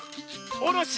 「おろし」！